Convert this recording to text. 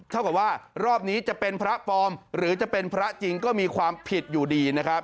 เท่ากับว่ารอบนี้จะเป็นพระปลอมหรือจะเป็นพระจริงก็มีความผิดอยู่ดีนะครับ